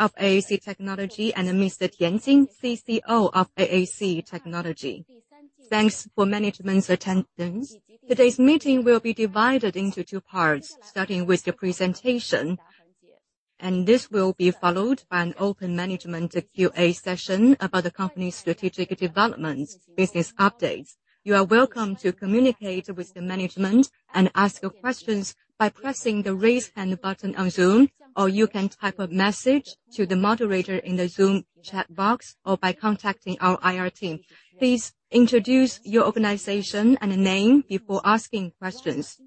Of AAC Technologies and Mr. Pan, CEO of AAC Technologies. Thanks for management's attendance. Today's meeting will be divided into two parts, starting with the presentation, and this will be followed by an open management Q&A session about the company's strategic development business updates. You are welcome to communicate with the management and ask your questions by pressing the Raise Hand button on Zoom, or you can type a message to the moderator in the Zoom chat box, or by contacting our IR team. Please introduce your organization and name before asking questions.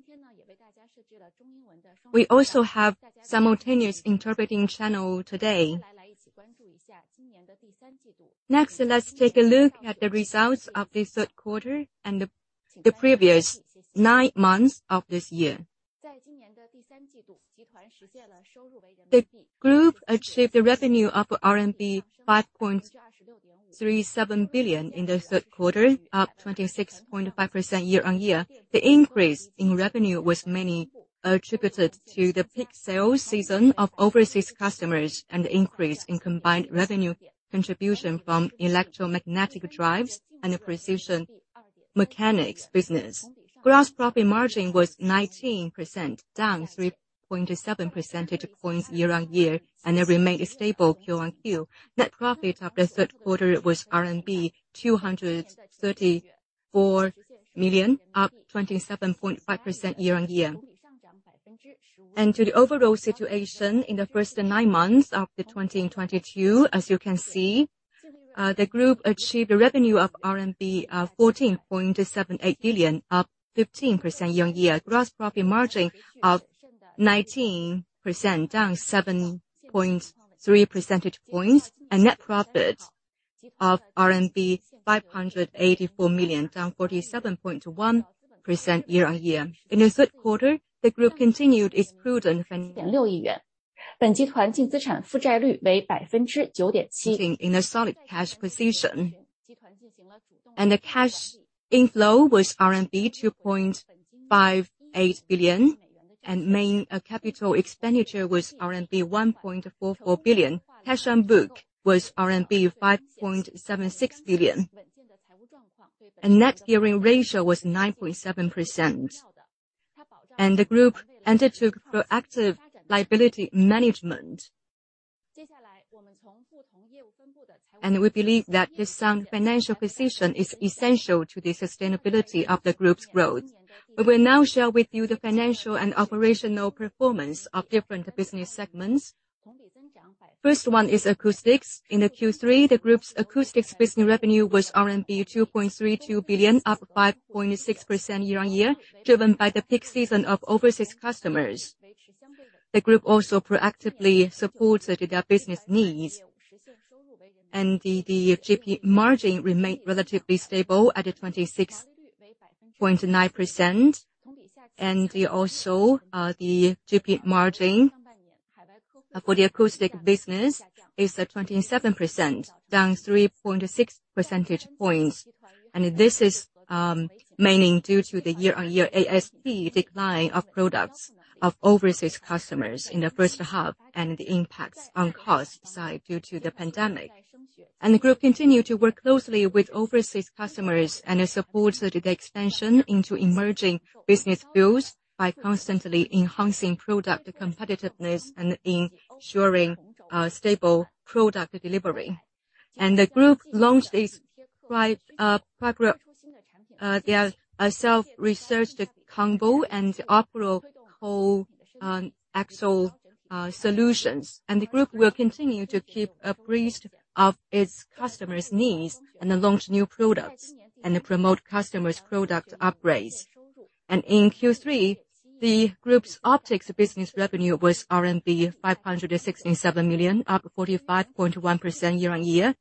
We also have simultaneous interpreting channel today. Next, let's take a look at the results of the third quarter and the previous nine months of this year. The Group achieved a revenue of RMB 5.37 billion in the third quarter, up 26.5% year-on-year. The increase in revenue was mainly attributed to the peak sales season of overseas customers and the increase in combined revenue contribution from electromagnetic drives and the precision mechanics business. Gross profit margin was 19%, down 3.7 percentage points year-over-year, and it remained stable Q-on-Q. Net profit of the third quarter was RMB 234 million, up 27.5% year-over-year. To the overall situation in the first nine months of 2022, as you can see, the Group achieved a revenue of 14.78 billion, up 15% year-over-year. Gross profit margin was 19%, down 7.3 percentage points, and net profit of RMB 584 million, down 47.1% year-over-year. In the third quarter, the Group continued its prudent financial management, sitting in a solid cash position of RMB 0.7 billion. The cash inflow was RMB 2.58 billion, and main capital expenditure was RMB 1.44 billion. Cash on book was RMB 5.76 billion. A net gearing ratio was 9.7%. The Group undertook proactive liability management. We believe that this sound financial position is essential to the sustainability of the Group's growth. We will now share with you the financial and operational performance of different business segments. First one is acoustics. In the Q3, the Group's acoustics business revenue was RMB 2.32 billion, up 5.6% year-on-year, driven by the peak season of overseas customers. The Group also proactively supports their business needs. The GP margin remained relatively stable at a 26.9%. We also the GP margin for the acoustic business is at 27%, down 3.6 percentage points. This is mainly due to the year-on-year ASP decline of products of overseas customers in the first half and the impacts on cost side due to the pandemic. The Group continued to work closely with overseas customers and has supported the extension into emerging business fields by constantly enhancing product competitiveness and ensuring stable product delivery. The Group launched their self-research, the combo and the Opera coaxial solutions. The Group will continue to keep abreast of its customers' needs and launch new products and promote customers' product upgrades. In Q3, the Group's optics business revenue was RMB 567 million, up 45.1% year-on-year.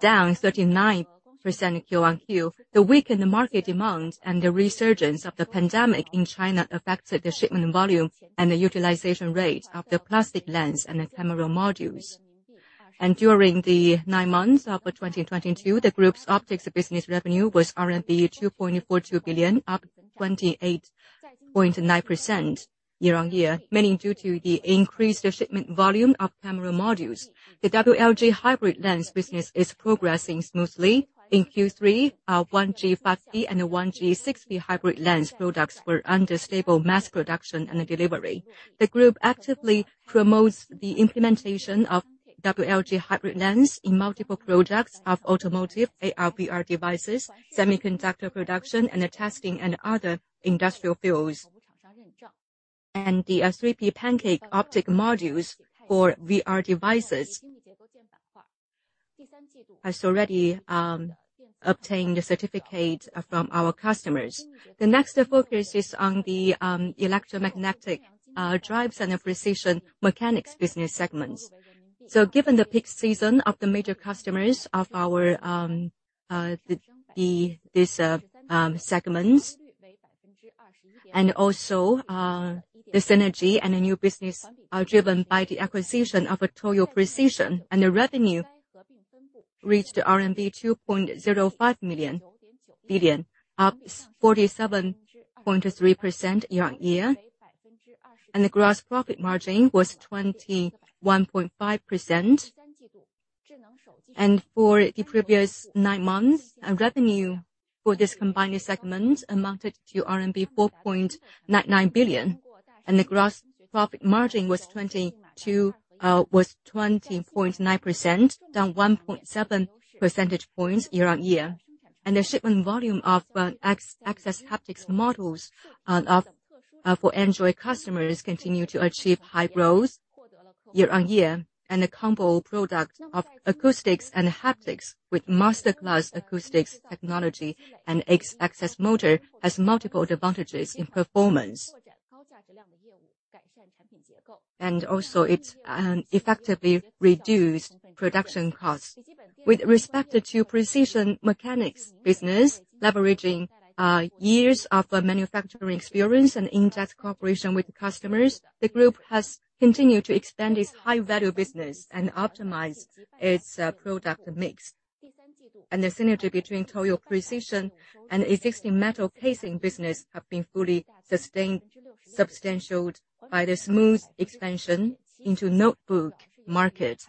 Down 39% Q-on-Q. The weakened market demand and the resurgence of the pandemic in China affected the shipment volume and the utilization rate of the plastic lens and the camera modules. During the 9 months of 2022, the Group's optics business revenue was RMB 2.42 billion, up 28.9% year-over-year, mainly due to the increased shipment volume of camera modules. The WLG hybrid lens business is progressing smoothly. In Q3, our 1G5P and 1G6P hybrid lens products were under stable mass production and delivery. The Group actively promotes the implementation of WLG hybrid lens in multiple projects of automotive, AR/VR devices, semiconductor production and testing and other industrial fields. The 3P pancake optic modules for VR devices has already obtained a certificate from our customers. The next focus is on the electromagnetic drives and the precision mechanics business segments. Given the peak season of the major customers of our segments, and also the synergy and the new business are driven by the acquisition of Toyo Precision. The revenue reached RMB 2.05 billion, up 47.3% year-on-year. The gross profit margin was 21.5%. For the previous nine months, our revenue for this combined segment amounted to RMB 4.99 billion, and the gross profit margin was 20.9%, down 1.7 percentage points year-on-year. The shipment volume of X-axis haptics modules is up for Android customers continue to achieve high growth year-on-year, and a combo product of acoustics and haptics with master-level acoustic technology, and X-axis motor has multiple advantages in performance. Also it's effectively reduced production costs. With respect to precision mechanics business, leveraging years of manufacturing experience and in-depth cooperation with the customers, the group has continued to expand its high-value business and optimize its product mix. The synergy between Toyo Precision and existing metal casing business have been fully sustained, substantiated by the smooth expansion into notebook market.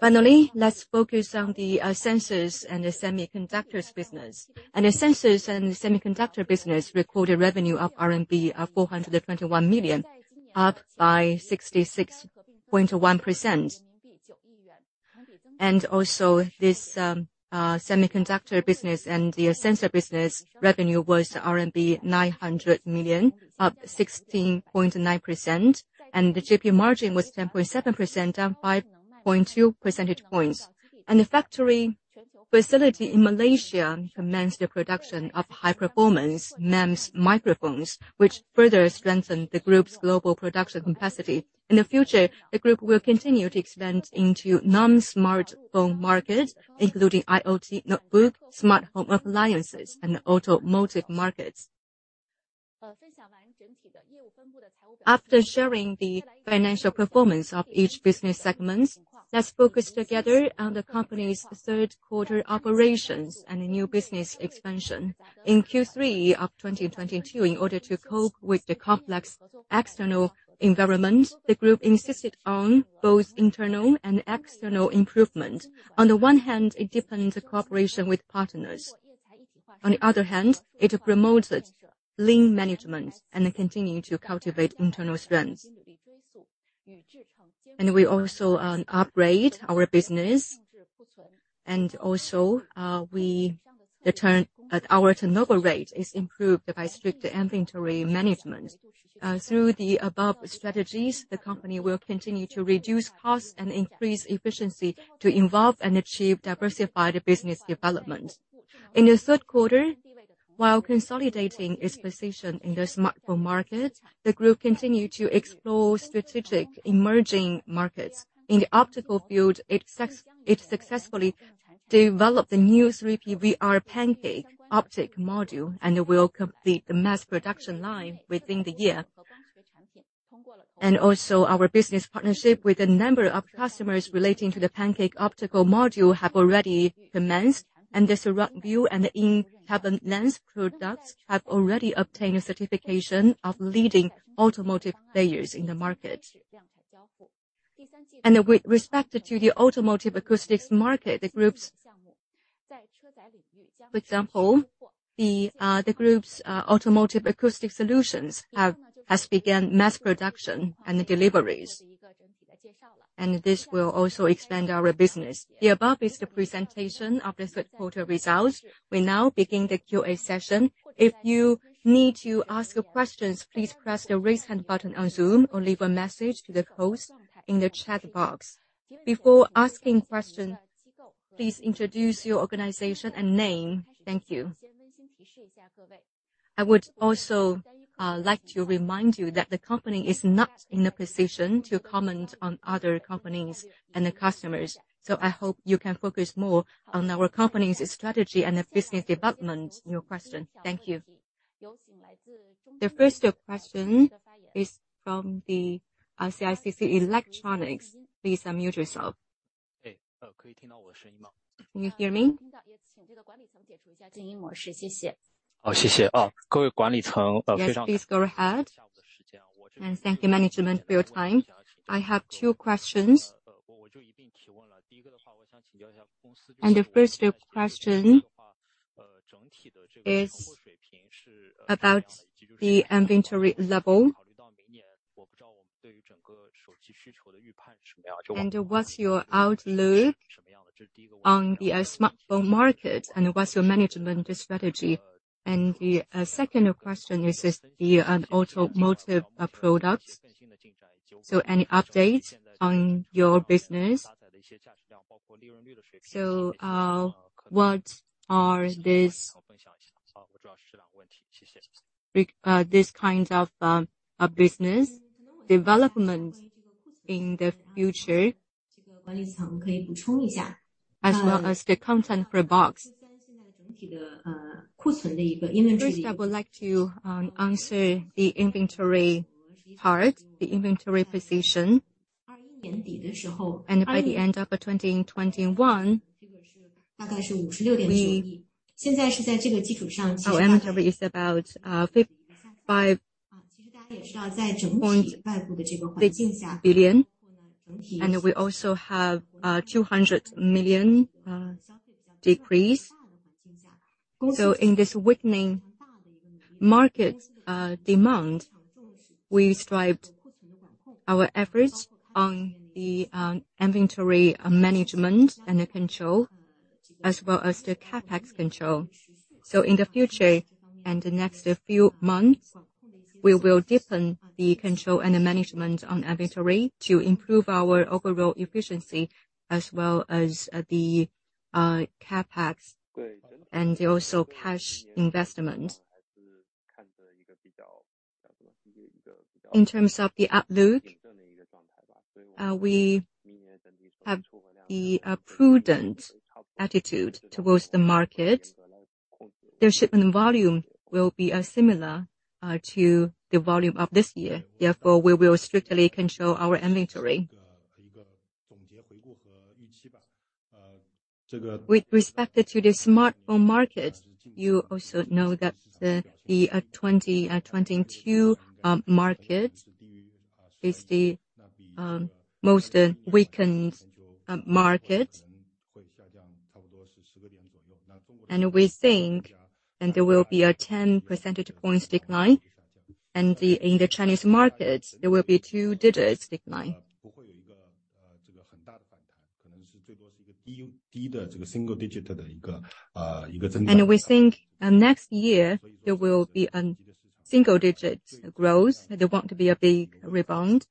Finally, let's focus on the sensors and the semiconductors business. The sensors and the semiconductor business recorded revenue of 421 million RMB, up by 66.1%. Also this, semiconductor business and the sensor business revenue was RMB 900 million, up 16.9%, and the GP margin was 10.7%, down 5.2 percentage points. The factory facility in Malaysia commenced the production of high-performance MEMS microphones, which further strengthened the group's global production capacity. In the future, the group will continue to expand into non-smartphone markets, including IoT notebook, smart home appliances, and automotive markets. After sharing the financial performance of each business segments, let's focus together on the company's third quarter operations and the new business expansion. In Q3 of 2022, in order to cope with the complex external environment, the group insisted on both internal and external improvement. On the one hand, it deepened the cooperation with partners. On the other hand, it promoted lean management and continued to cultivate internal strength. We also upgrade our business. Our turnover rate is improved by strict inventory management. Through the above strategies, the company will continue to reduce costs and increase efficiency to evolve and achieve diversified business development. In the third quarter, while consolidating its position in the smartphone market, the group continued to explore strategic emerging markets. In the optical field, it successfully developed the new 3P VR pancake optic module, and it will complete the mass production line within the year. Our business partnership with a number of customers relating to the pancake optical module have already commenced, and the Surround view and the in-cabin lens products have already obtained a certification of leading automotive players in the market. With respect to the automotive acoustics market, for example, the group's automotive acoustic solutions has began mass production and deliveries. This will also expand our business. The above is the presentation of the third quarter results. We now begin the QA session. If you need to ask questions, please press the Raise Hand button on Zoom or leave a message to the host in the chat box. Before asking question, please introduce your organization and name. Thank you. I would also like to remind you that the company is not in a position to comment on other companies and the customers, so I hope you can focus more on our company's strategy and the business development in your question. Thank you. The first question is from the CICC Electronics. Please unmute yourself. Can you hear me? Yes, please go ahead. Thank you management for your time. I have two questions. The first question is about the inventory level. What's your outlook on the smartphone market, and what's your management strategy? The second question is just the automotive products. Any updates on your business? What are these kinds of business development in the future, as well as the content per box? First, I would like to answer the inventory part, the inventory position. By the end of 2021, our inventory is about 55.6 billion, and we also have 200 million decrease. In this weakening market demand, we strived our efforts on the inventory management and the control as well as the CapEx control. In the future and the next few months, we will deepen the control and the management on inventory to improve our overall efficiency as well as the CapEx, and also cash investment. In terms of the outlook, we have the prudent attitude towards the market. The shipment volume will be similar to the volume of this year. Therefore, we will strictly control our inventory. With respect to the smartphone market, you also know that the 2022 market is the most weakened market. We think there will be a 10 percentage points decline. In the Chinese market, there will be a two-digit decline. We think next year, there will be a single-digit growth. There won't be a big rebound.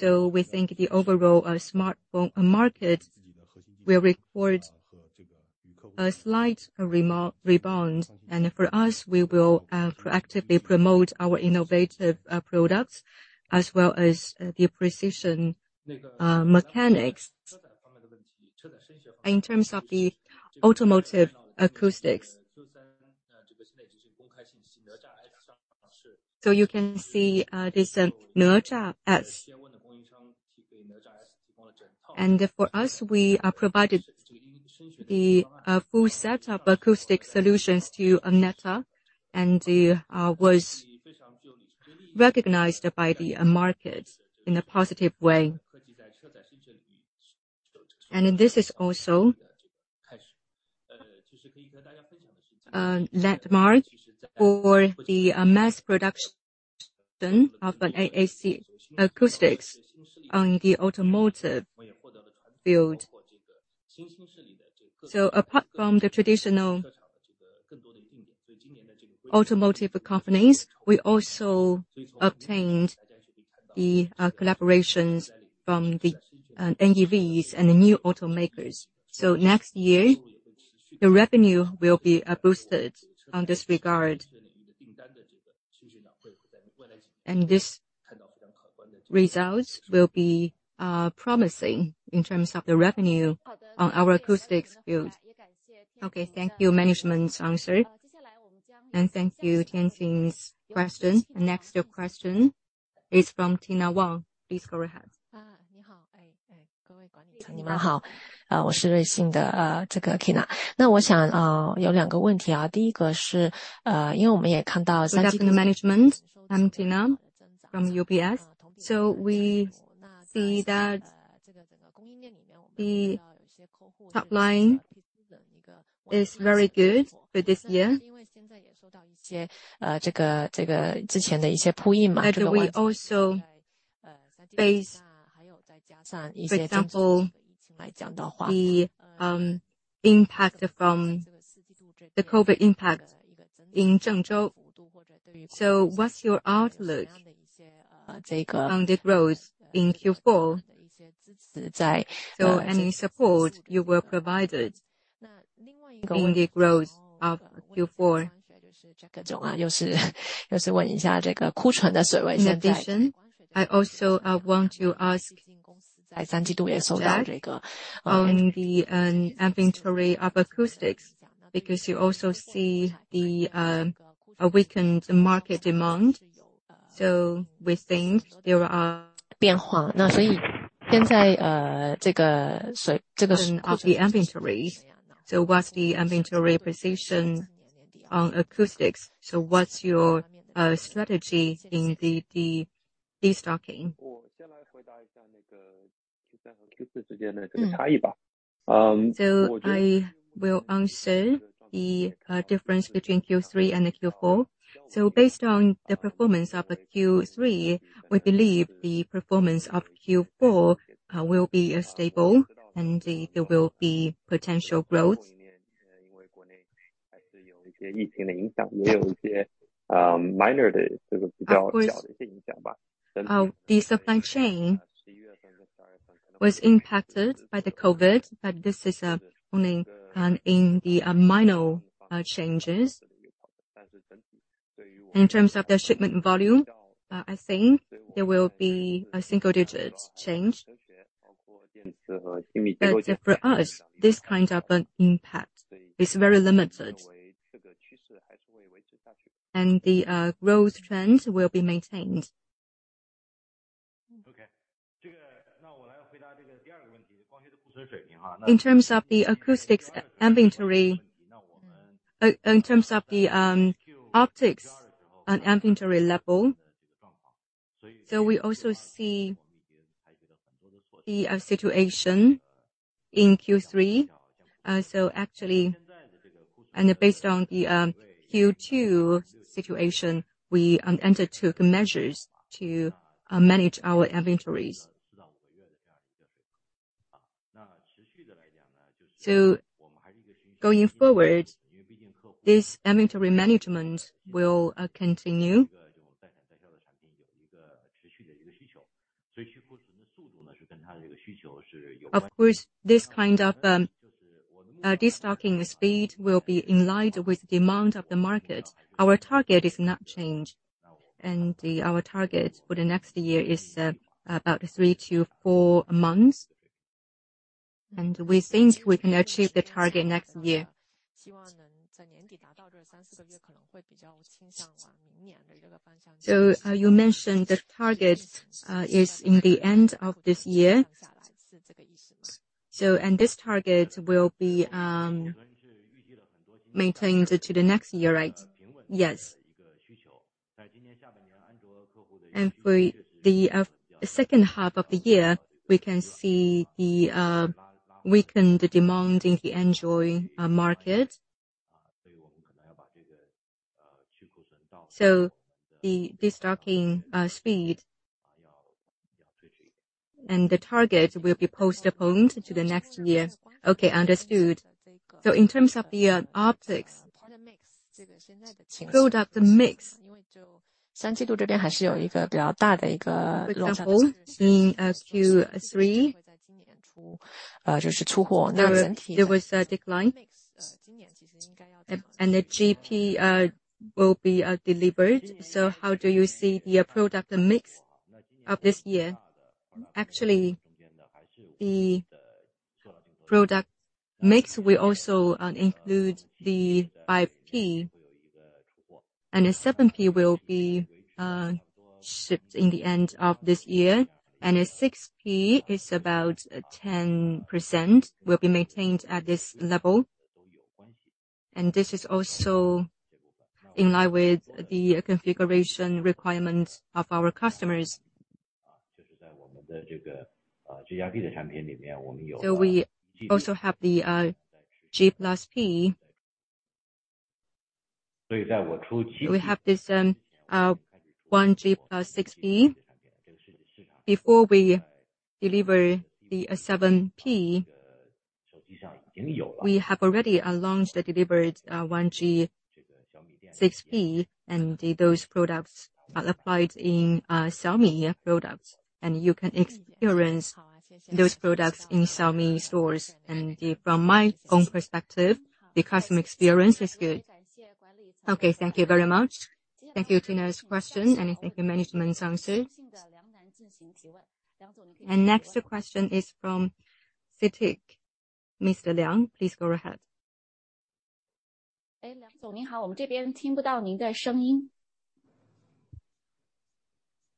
We think the overall smartphone market will record a slight rebound. For us, we will proactively promote our innovative products as well as the precision mechanics. In terms of the automotive acoustics. You can see this Neta S. For us, we provided the full set of acoustic solutions to Neta and was recognized by the market in a positive way. This is also landmark for the mass production of an AAC acoustics in the automotive field. Apart from the traditional automotive companies, we also obtained the collaborations from the NEVs and the new automakers. Next year, the revenue will be boosted in this regard. This results will be promising in terms of the revenue on our acoustics field. Okay. Thank you, management's answer. Thank you, taking my question. Next question is from Kyna Wong. Please go ahead. Good afternoon, management. I'm Kyna from UBS. We see that the top line is very good for this year. We also face, for example, the impact from the COVID impact in Zhengzhou. What's your outlook on the growth in Q4? Any support you will provide in the growth of Q4? In addition, I also want to ask about the inventory of acoustics, because you also see the weakened market demand. We think there is inventory. What's the inventory position on acoustics? What's your strategy in the destocking? I will answer the difference between Q3 and Q4. Based on the performance of Q3, we believe the performance of Q4 will be stable and there will be potential growth. Of course, the supply chain was impacted by the COVID, but this is only minor changes. In terms of the shipment volume, I think there will be a single digit change. For us, this kind of an impact is very limited. The growth trends will be maintained. Okay. In terms of the optics and inventory level. We also see the situation in Q3. Actually, based on the Q2 situation, we undertook measures to manage our inventories. Going forward, this inventory management will continue. Of course, this kind of destocking speed will be in line with demand of the market. Our target is not changed, our target for the next year is about 3-4 months. We think we can achieve the target next year. You mentioned the target is in the end of this year. This target will be maintained to the next year, right? Yes. For the second half of the year, we can see the weakened demand in the Android market. The destocking speed and the target will be postponed to the next year. Okay, understood. In terms of the optics product mix. With the whole in Q3. There was a decline. The GP will be delivered. How do you see the product mix of this year? Actually, the product mix will also include the 5P. A 7P will be shipped in the end of this year. A 6P is about 10% will be maintained at this level. This is also in line with the configuration requirements of our customers. We also have the G+P. We have this 1G+6P. Before we deliver the 7P, we have already launched or delivered 1G6P, and those products are applied in Xiaomi products. You can experience those products in Xiaomi stores. From my own perspective, the customer experience is good. Okay, thank you very much. Thank you, Kyna's question, and thank you management's answer. Next question is from CICC. Mr. Liang, please go ahead.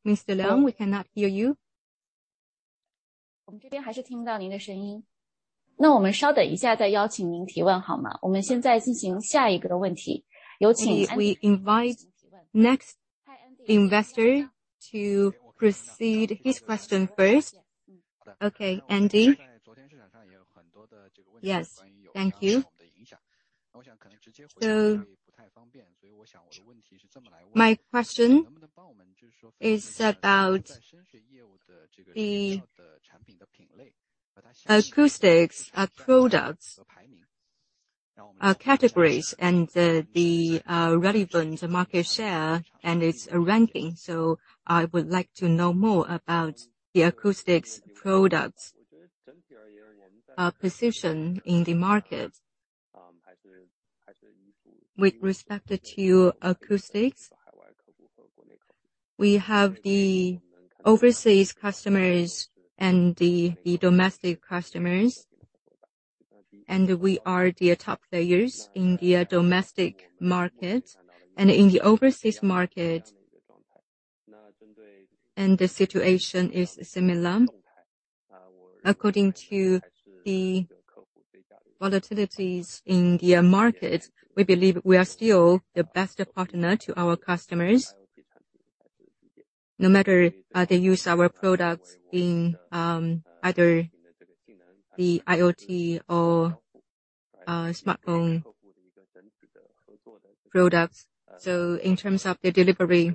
Mr. Liang, we cannot hear you. We invite next investor to proceed his question first. Okay, Andy. Yes. Thank you. My question is about the acoustics of products categories and the relevant market share and its ranking. I would like to know more about the acoustics products position in the market. With respect to acoustics, we have the overseas customers and the domestic customers. We are the top players in the domestic market and in the overseas market. The situation is similar. According to the volatilities in the market, we believe we are still the best partner to our customers. No matter they use our products in either the IoT or smartphone products. In terms of the delivery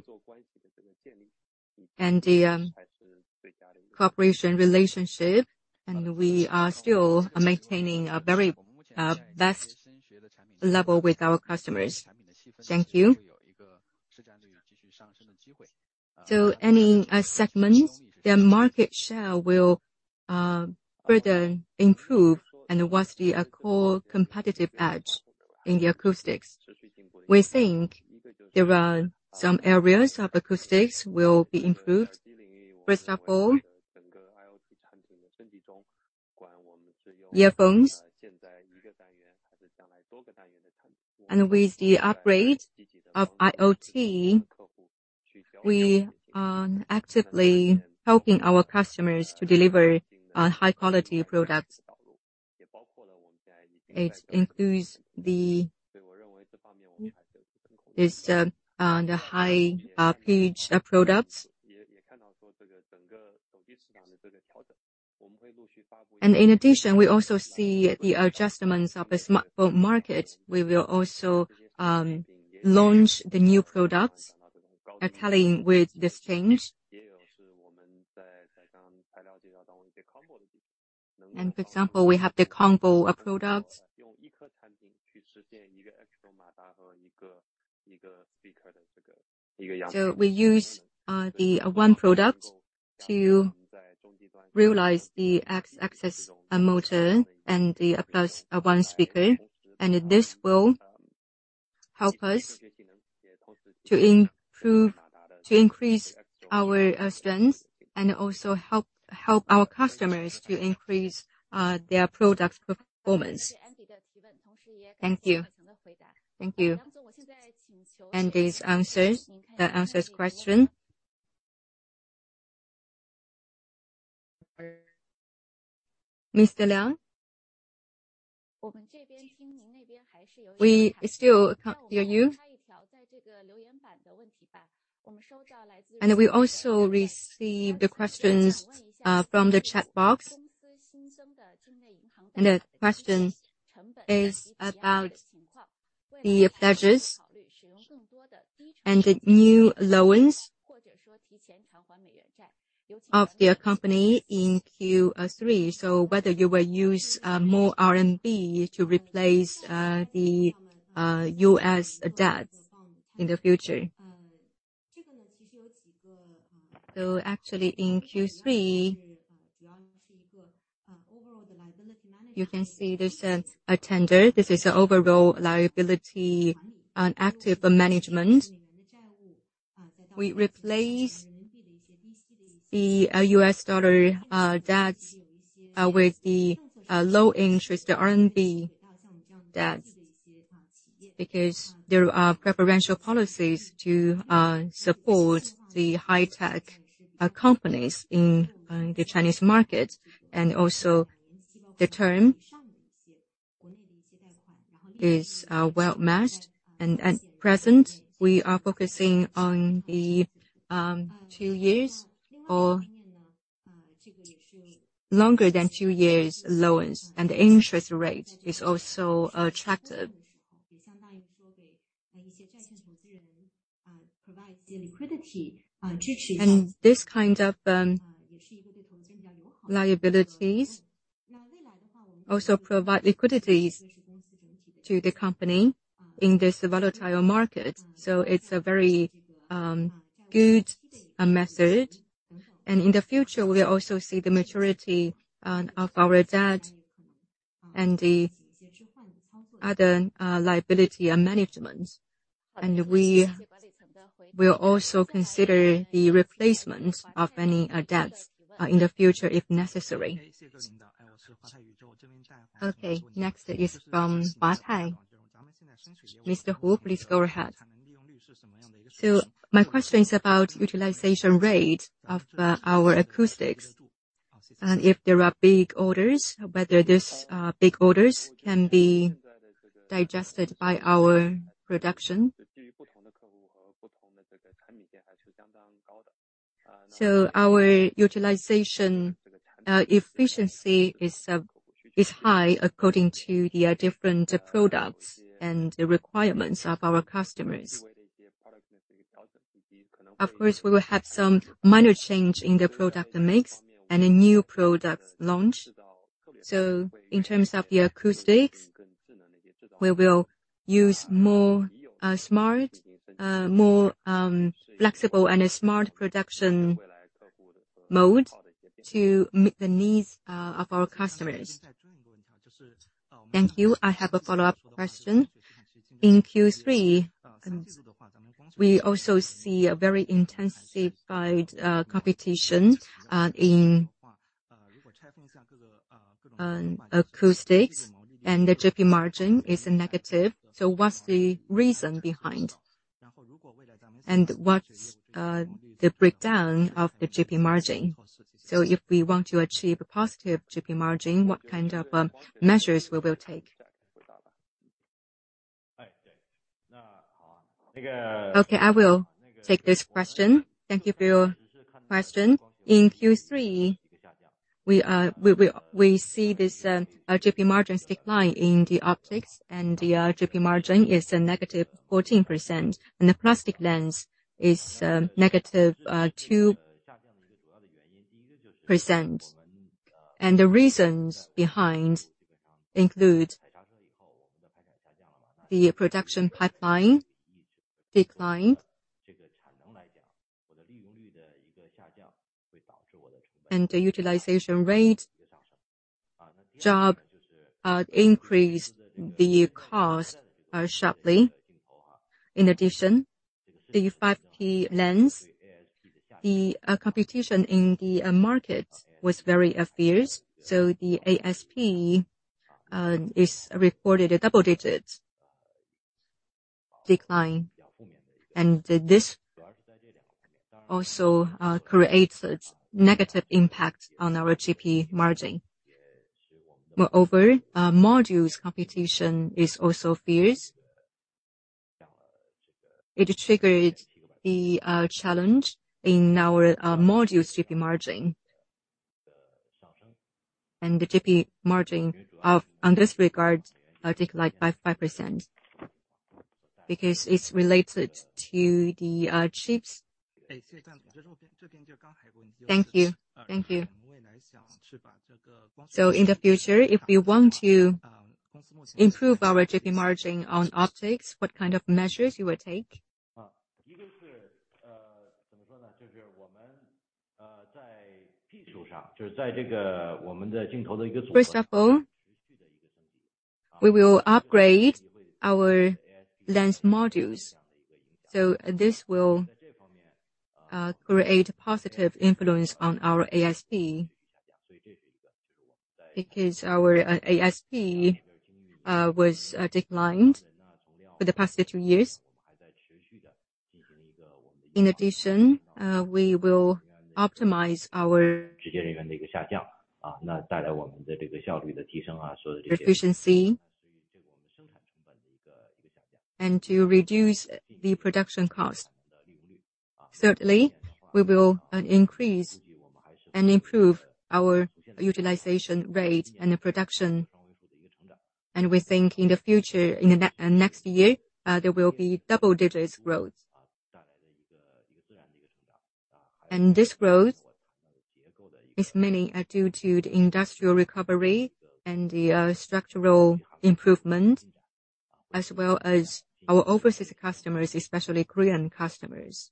and the cooperation relationship, and we are still maintaining a very best level with our customers. Thank you. Any segments, their market share will further improve, and what's the core competitive edge in the acoustics? There are some areas of acoustics will be improved. First of all, earphones. With the upgrade of IoT, we are actively helping our customers to deliver high-quality products. It includes the high-pitch products. In addition, we also see the adjustments of the smartphone market. We will also launch the new products aligning with this change. For example, we have the combo of products. We use the one product to realize the X-axis motor and the plus one speaker. This will help us to increase our strength, and also help our customers to increase their product performance. Thank you. Thank you. Andy's answer. That answers question. Mr. Liang? We still can't hear you. We also received the questions from the chat box. The question is about the pledges and the new loans of the company in Q3. Whether you will use more RMB to replace the U.S. debts in the future. Actually in Q3, you can see there's a tender. This is overall liability and active management. We replace the U.S. dollar debts with the low interest RMB debt. Because there are preferential policies to support the high-tech companies in the Chinese market, and also the term is well matched. At present, we are focusing on the two years or longer than two years loans, and the interest rate is also attractive. This kind of liabilities also provide liquidities to the company in this volatile market. It's a very good method. In the future, we also see the maturity of our debt and the other liability and management. We will also consider the replacement of any debts in the future if necessary. Okay. Next is from Huatai. Mr. Huang, please go ahead. My question is about utilization rate of our acoustics, and if there are big orders, whether these big orders can be digested by our production. Our utilization efficiency is high according to the different products and the requirements of our customers. Of course, we will have some minor change in the product mix and a new product launch. In terms of the acoustics, we will use more smart more flexible and smart production mode to meet the needs of our customers. Thank you. I have a follow-up question. In Q3, we also see a very intensified competition in acoustics, and the GP margin is a negative. What's the reason behind? What's the breakdown of the GP margin? If we want to achieve a positive GP margin, what kind of measures we will take? Okay, I will take this question. Thank you for your question. In Q3, we see this GP margin decline in the optics, and the GP margin is a negative 14%, and the plastic lens is negative 2%. The reasons behind include the production pipeline declined and the utilization rate low increased the cost sharply. In addition, the 5P lens, the competition in the markets was very fierce, so the ASP is reported a double-digit decline. This also creates its negative impact on our GP margin. Moreover, modules competition is also fierce. It triggered the challenge in our modules GP margin. The GP margin on this regard declined by 5% because it's related to the chips. Thank you. In the future, if we want to improve our GP margin on optics, what kind of measures you would take? First of all, we will upgrade our lens modules. This will create positive influence on our ASP because our ASP was declined for the past two years. In addition, we will optimize our efficiency and to reduce the production cost. Thirdly, we will increase and improve our utilization rate and the production. We think in the future, in next year, there will be double digits growth. This growth is mainly due to the industrial recovery and the structural improvement as well as our overseas customers, especially Korean customers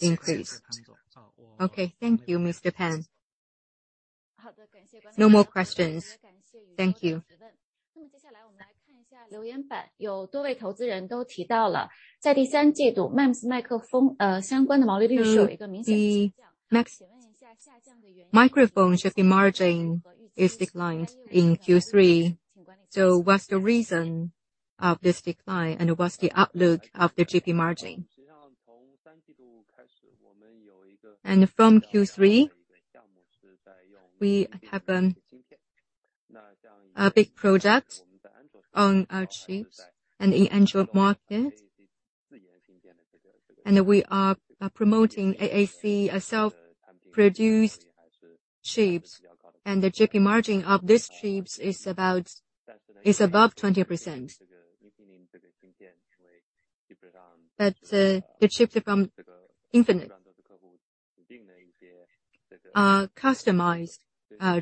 increase. Okay. Thank you, Mr. Pan. No more questions. Thank you. The next microphone GP margin is declined in Q3. What's the reason of this decline, and what's the outlook of the GP margin? From Q3, we have a big project on our chips and the Android market. We are promoting AAC self-produced chips, and the GP margin of this chips is above 20%. But the chips from Infineon. Customized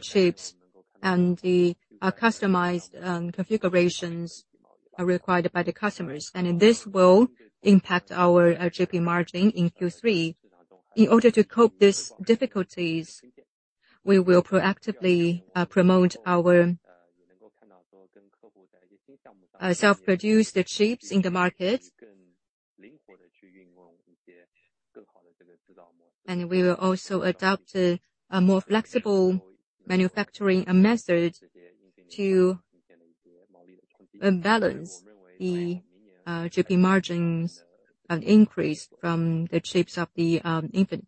chips and the customized configurations are required by the customers, and this will impact our GP margin in Q3. In order to cope these difficulties, we will proactively promote our self-produced chips in the market. We will also adopt a more flexible manufacturing method to balance the GP margins and income from the chips of the Infineon.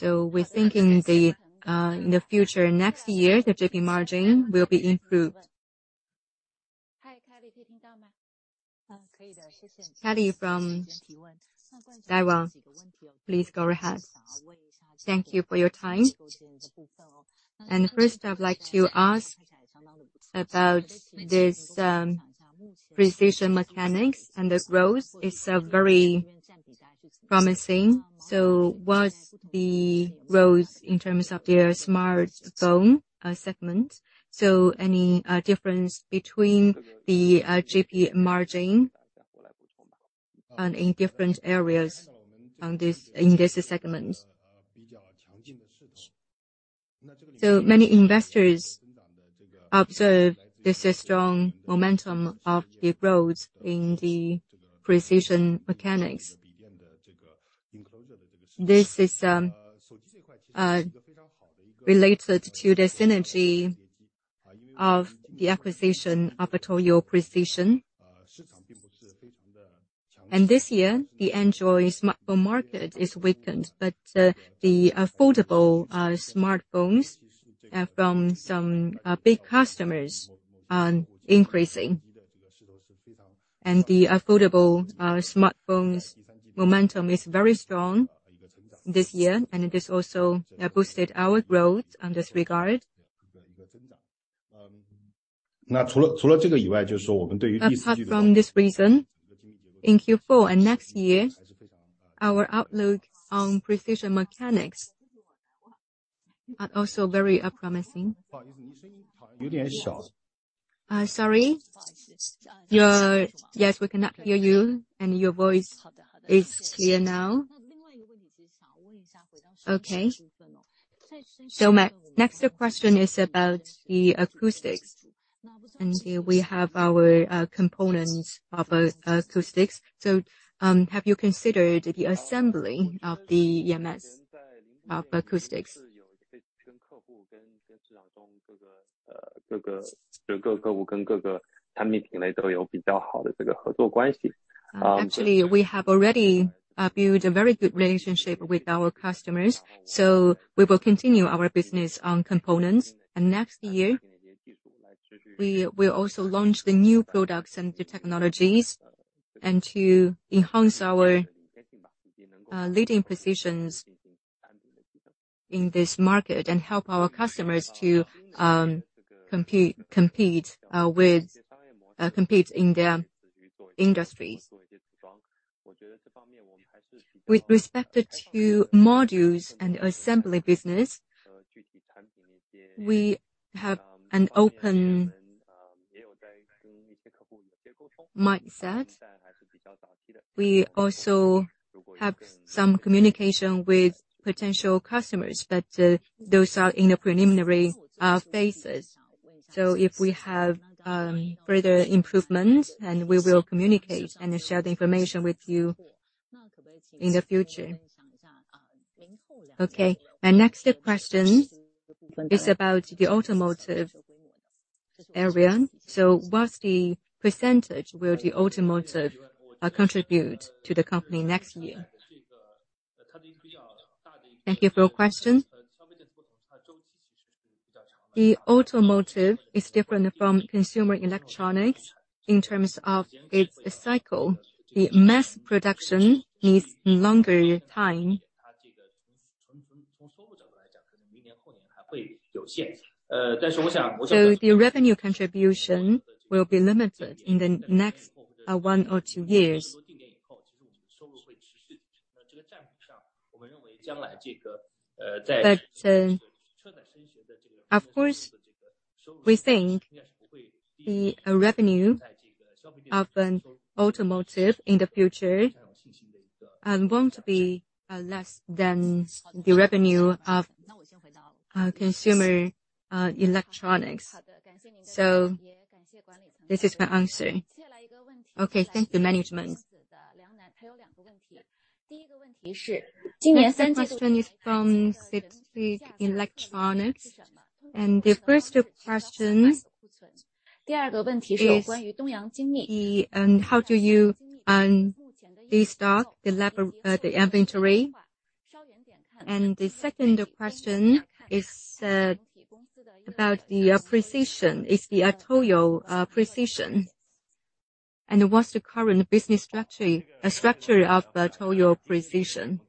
We're thinking in the future, next year, the GP margin will be improved. Cathy from Daiwa, please go ahead. Thank you for your time. First, I'd like to ask about this precision mechanics and the growth is very promising. What's the growth in terms of your smartphone segment? Any difference between the GP margin and in different areas in this segment? Many investors observe there's a strong momentum of the growth in the Precision Mechanics. This is related to the synergy of the acquisition of Toyo Precision. This year, the Android smartphone market is weakened, but the affordable smartphones from some big customers are increasing. The affordable smartphones momentum is very strong this year, and this also boosted our growth on this regard. Apart from this reason, in Q4 and next year, our outlook on Precision Mechanics are also very promising. Sorry. Yes, we can hear you, and your voice is clear now. Okay. My next question is about the acoustics. We have our components of acoustics. Have you considered the assembly of the EMS of acoustics? Actually, we have already built a very good relationship with our customers, so we will continue our business on components. Next year, we will also launch the new products and the technologies and to enhance our leading positions in this market and help our customers to compete in their industry. With respect to modules and assembly business, we have an open mindset. We also have some communication with potential customers, but those are in the preliminary phases. If we have further improvements, then we will communicate and share the information with you in the future. Okay. Our next question is about the automotive area. What's the percentage will the automotive contribute to the company next year? Thank you for your question. The automotive is different from consumer electronics in terms of its cycle. The mass production needs longer time. The revenue contribution will be limited in the next one or two years. Of course, we think the revenue of an automotive in the future won't be less than the revenue of consumer electronics. This is my answer. Okay, thank you, management. Next question is from CICC Electronics, and the first question is how do you destock the inventory? The second question is about the precision. It's the Toyo Precision. What's the current business structure of Toyo Precision?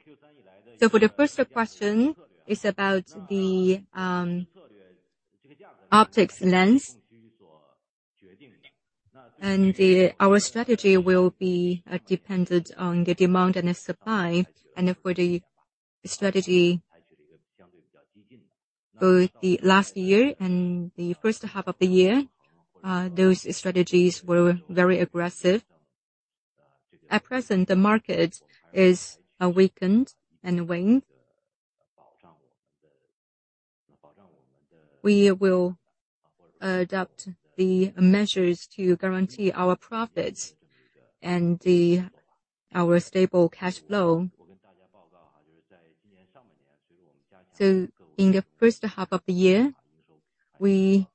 The first question is about the optics lens. Our strategy will be dependent on the demand and the supply. For the strategy for the last year and the first half of the year, those strategies were very aggressive. At present, the market is weakening. We will adopt the measures to guarantee our profits and our stable cash flow. In the first half of the year, we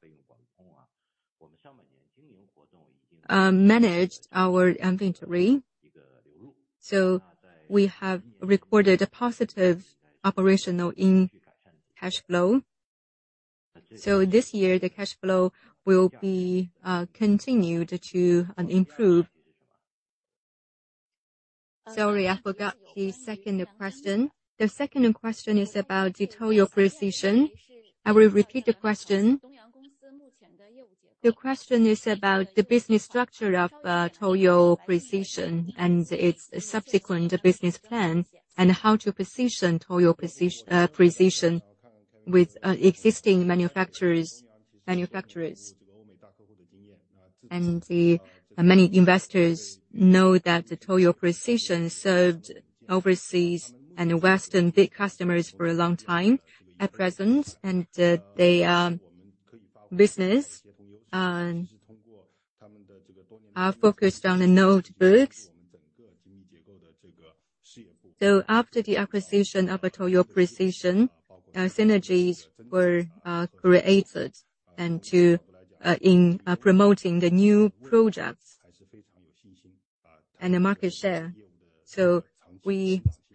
managed our inventory, so we have recorded a positive operating cash flow. This year the cash flow will continue to improve. Sorry, I forgot the second question. The second question is about the Toyo Precision. I will repeat the question. The question is about the business structure of Toyo Precision and its subsequent business plan, and how to position Toyo Precision with existing manufacturers. Many investors know that Toyo Precision served overseas and Western big customers for a long time at present. Their business are focused on the notebooks. After the acquisition of Toyo Precision, our synergies were created in promoting the new projects and the market share.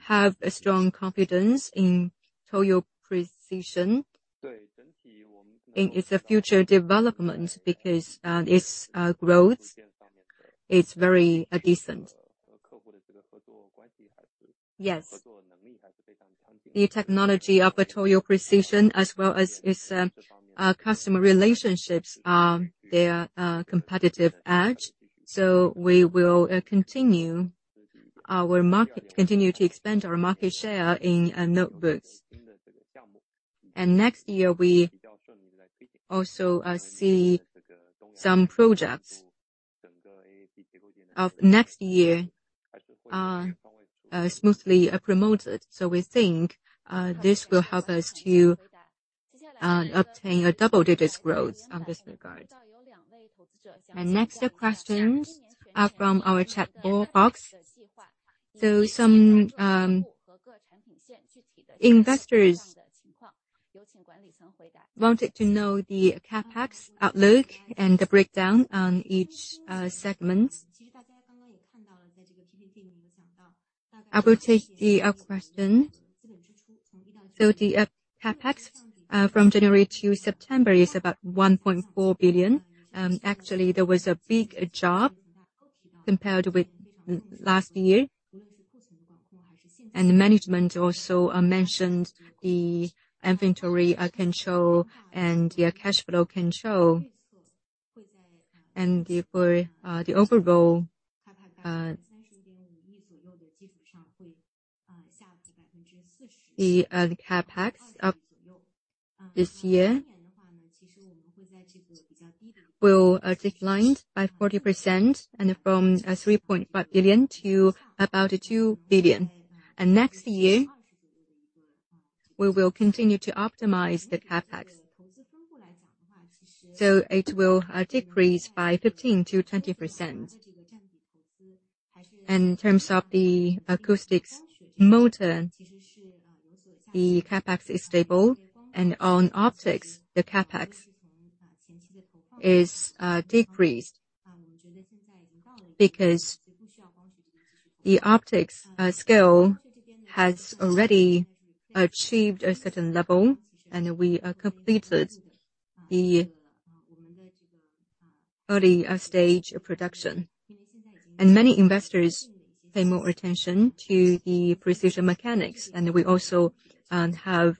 We have a strong confidence in Toyo Precision in its future development because its growth is very decent. Yes. The technology of Toyo Precision as well as its customer relationships are their competitive edge. We will continue to expand our market share in notebooks. Next year, we also see some projects of next year are smoothly promoted. We think this will help us to obtain a double-digit growth in this regard. Next questions are from our chatbot box. Some investors wanted to know the CapEx outlook and the breakdown on each segments. I will take the question. The CapEx from January to September is about 1.4 billion. Actually, there was a big drop compared with last year. The management also mentioned the inventory control and the cash flow control. For the overall CapEx of this year will declined by 40% and from 3.5 billion to about 2 billion. Next year, we will continue to optimize the CapEx. It will decrease by 15%-20%. In terms of the acoustics motor, the CapEx is stable, and on optics, the CapEx is decreased because the optics scale has already achieved a certain level, and we completed the early stage of production. Many investors pay more attention to the Precision Mechanics, and we also have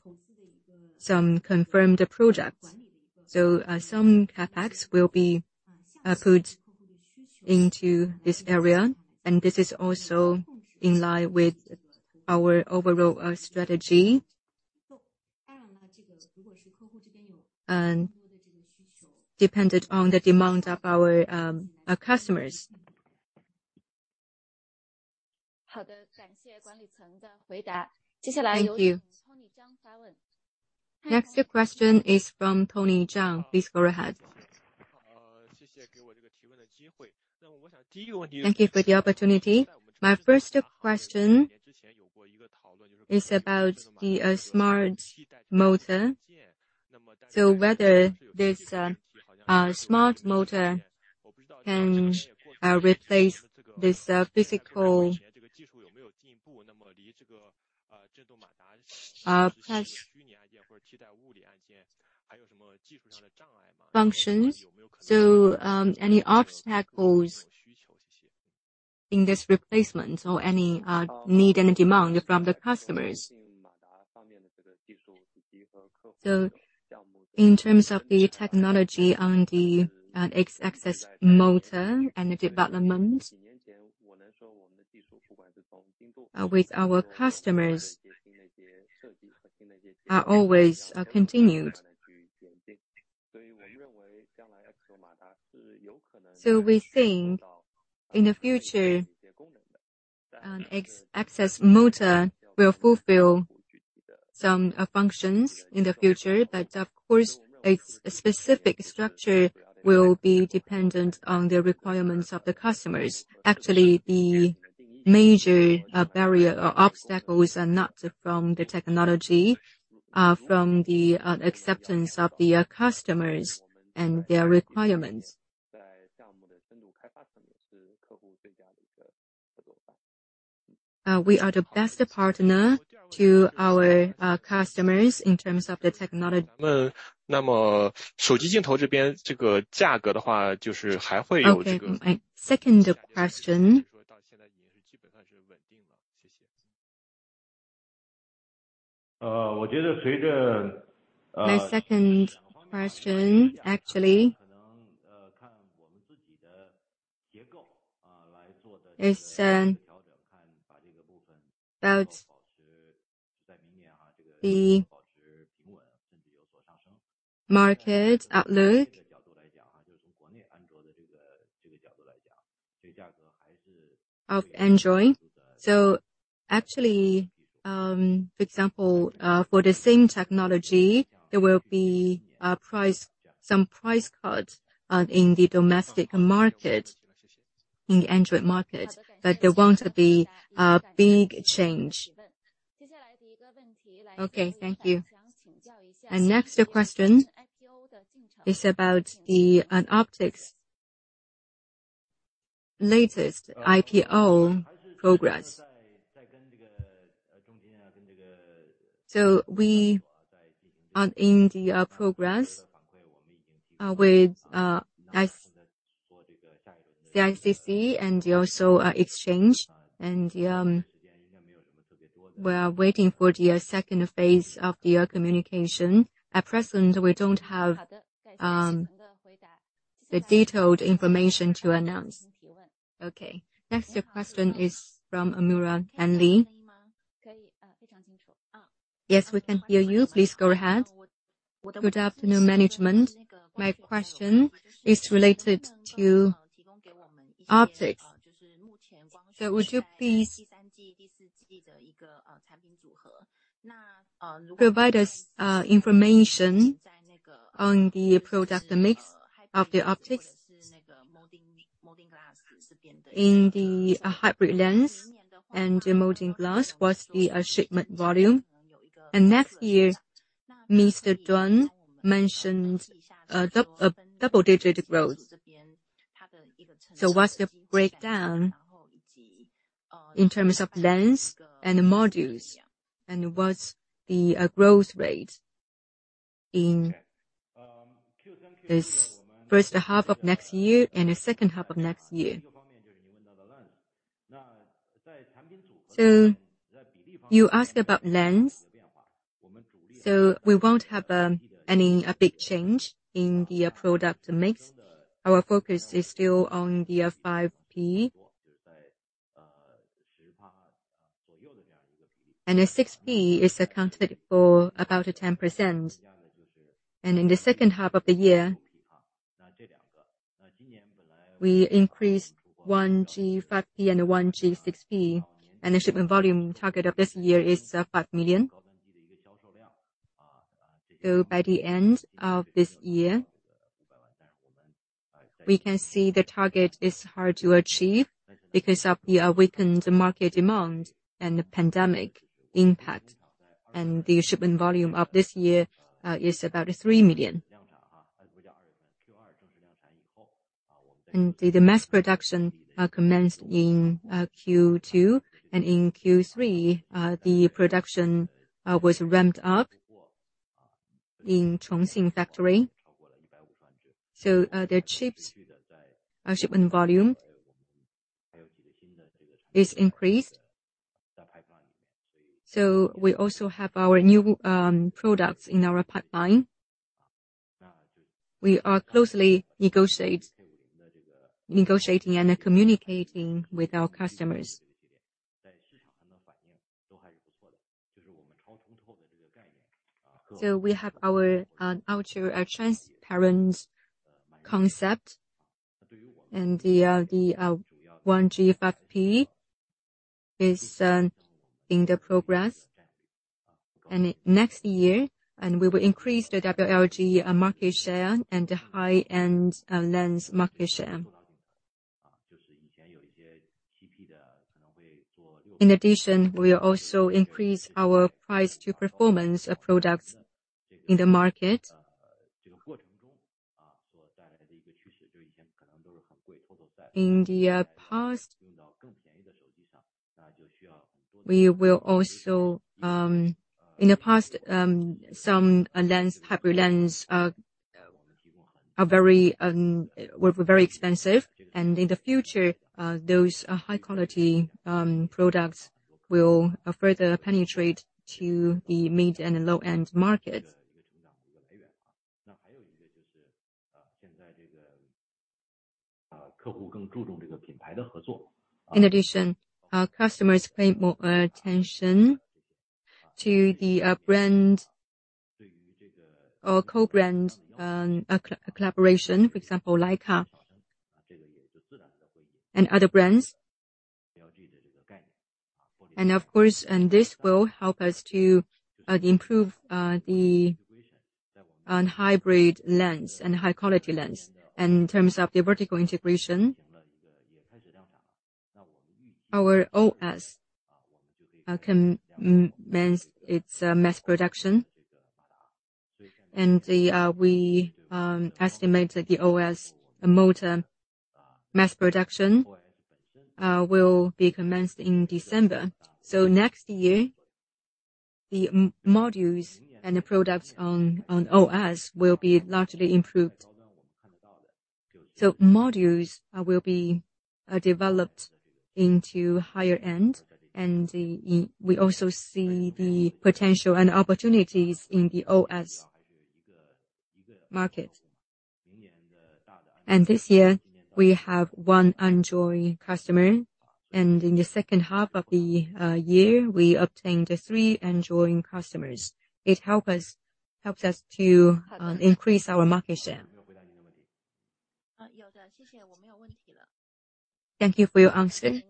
some confirmed products. Some CapEx will be put into this area, and this is also in line with our overall strategy. Depended on the demand of our customers. Thank you. Next question is from Tony Zhang. Please go ahead. Thank you for the opportunity. My first question is about the smart motor. Whether this smart motor can replace this physical functions. Any obstacles in this replacement or any need any demand from the customers? In terms of the technology on the X-axis motor and the development with our customers are always continued. We think in the future, an X-axis motor will fulfill some functions in the future, but of course, its specific structure will be dependent on the requirements of the customers. Actually, the major barrier or obstacles are not from the technology from the acceptance of the customers and their requirements. We are the best partner to our customers in terms of the technology. Okay. Mm-hmm. Second question. My second question actually is about the market outlook of Android. So actually, for example, for the same technology, there will be some price cut in the domestic market, in the Android market, but there won't be a big change. Okay, thank you. Next question is about the optics latest IPO progress. So we are in progress with the CICC and also the exchange and we are waiting for the second phase of the communication. At present, we don't have the detailed information to announce. Okay. Next question is from Henry. Yes, we can hear you. Please go ahead. Good afternoon, management. My question is related to optics. So would you please provide us information on the product mix of the optics in the hybrid lens and the molded glass. What's the shipment volume? Next year, Mr. Dun mentioned a double-digit growth. What's the breakdown in terms of lens and modules? What's the growth rate in this first half of next year and the second half of next year? You asked about lens. We won't have any big change in the product mix. Our focus is still on the 5P. The 6P is accounted for about 10%. In the second half of the year, we increased 1G5P and 1G6P, and the shipment volume target of this year is 5 million. By the end of this year, we can see the target is hard to achieve because of the weakened market demand and the pandemic impact. The shipment volume of this year is about 3 million. The mass production commenced in Q2, and in Q3 the production was ramped up in Changzhou factory. The chips shipment volume is increased. We also have our new products in our pipeline. We are closely negotiating and communicating with our customers. We have our ultra-transparent concept and the 1G5P is in progress. Next year we will increase the WLG market share and the high-end lens market share. In addition, we'll also increase our price to performance of products in the market. In the past, some hybrid lenses were very expensive. In the future, those high quality products will further penetrate to the mid and the low-end market. In addition, our customers pay more attention to the brand or co-brand collaboration, for example, Leica and other brands. Of course, this will help us to improve on hybrid lens and high quality lens. In terms of the vertical integration, our OIS commenced its mass production. We estimate that the OIS motor mass production will be commenced in December. Next year, the modules and the products on OIS will be largely improved. Modules will be developed into higher end. We also see the potential and opportunities in the OIS market. This year, we have one Android customer. In the second half of the year, we obtained the three Android customers. It helps us to increase our market share. Thank you for your answer.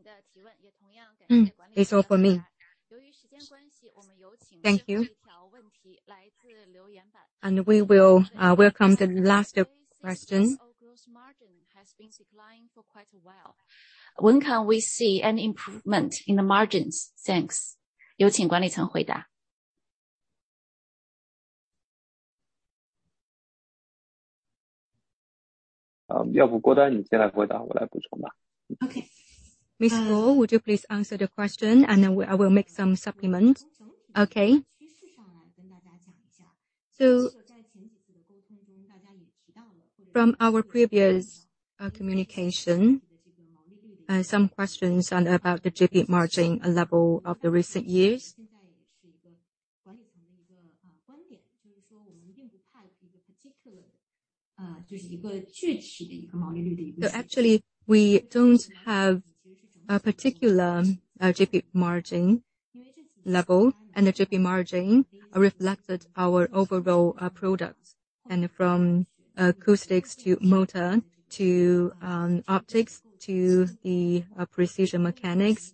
That's all for me. Thank you. We will welcome the last question. Gross margin has been declining for quite a while. When can we see an improvement in the margins? Thanks. Miss Ro, would you please answer the question and I will make some supplement. Okay. From our previous communication, some questions about the GP margin level of the recent years. Actually, we don't have a particular GP margin level. The GP margin reflected our overall products. From acoustics to motor to optics to the precision mechanics.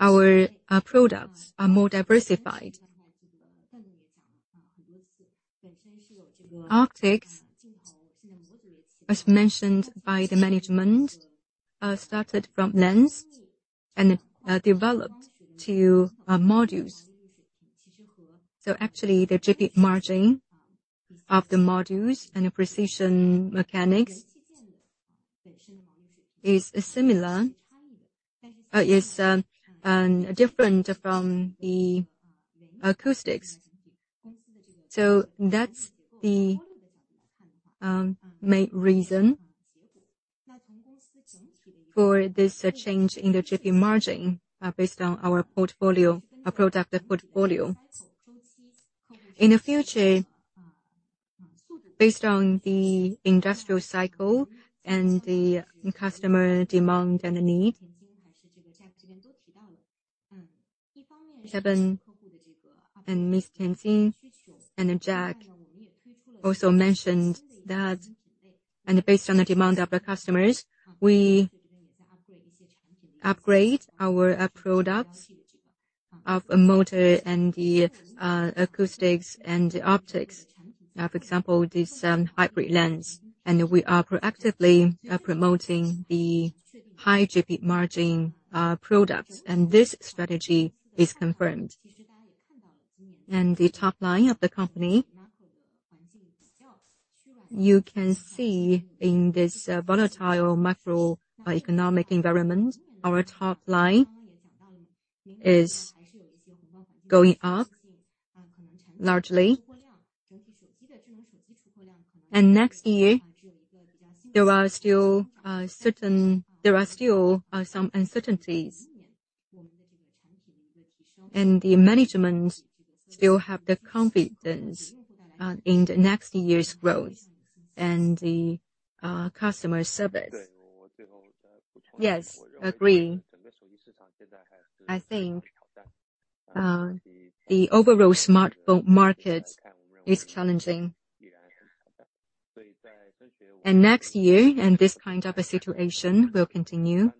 Our products are more diversified. Optics, as mentioned by the management, started from lens and developed to modules. Actually, the GP margin of the modules and the precision mechanics is similar, different from the acoustics. That's the main reason for this change in the GP margin based on our portfolio, our product portfolio. In the future, based on the industry cycle and the customer demand and the need, Mr. Pan and Maggie Huang and Jack also mentioned that. Based on the demand of our customers, we upgrade our products of motor and the acoustics and the optics. For example, this hybrid lens. We are proactively promoting the high GP margin products, and this strategy is confirmed. The top line of the company, you can see in this volatile macroeconomic environment, our top line is going up, largely. Next year there are still some uncertainties. The management still have the confidence in the next year's growth and the customer service. Yes, agree. I think the overall smartphone market is challenging. Next year, this kind of a situation will continue.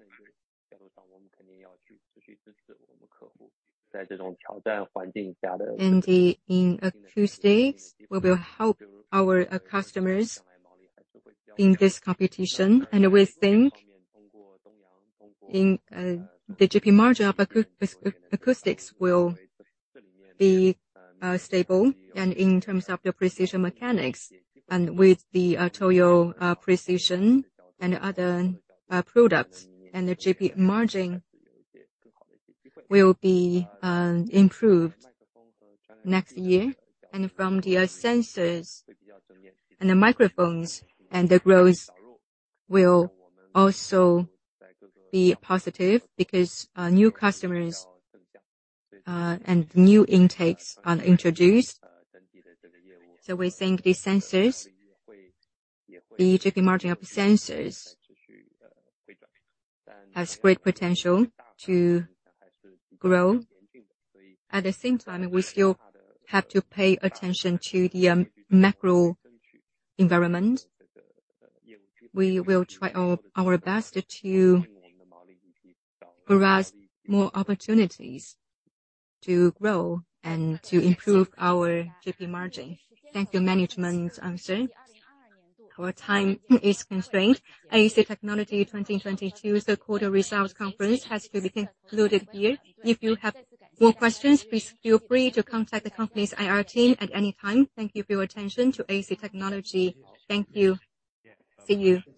In acoustics, we will help our customers in this competition. We think the GP margin of acoustics will be stable. In terms of the precision mechanics and with the Toyo precision and other products and the GP margin will be improved next year. From the sensors and the microphones and the growth will also be positive because new customers and new intakes are introduced. We think the sensors, the GP margin of the sensors has great potential to grow. At the same time, we still have to pay attention to the macro environment. We will try our best to grasp more opportunities to grow and to improve our GP margin. Thank you, management answer. Our time is constrained. AAC Technologies 2022 third quarter results conference has to be concluded here. If you have more questions, please feel free to contact the company's IR team at any time. Thank you for your attention to AAC Technologies. Thank you. See you. Bye-bye.